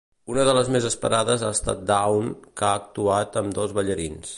Una de les més esperades ha estat Dawn, que ha actuat amb dos ballarins.